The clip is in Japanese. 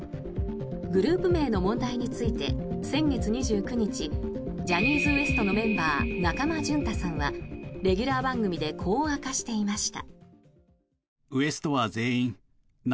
グループ名の問題について先月２９日ジャニーズＷＥＳＴのメンバー中間淳太さんはレギュラー番組でこう明かしていました。